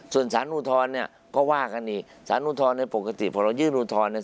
ส่วนศาลอุทรเนี่ยก็ว่ากันอีกศาลอุทรในปกติพอเรายื่นอุทรเนี่ย